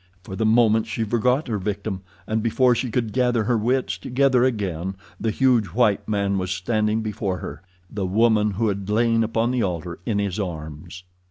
For the moment she forgot her victim, and before she could gather her wits together again the huge white man was standing before her, the woman who had lain upon the altar in his arms.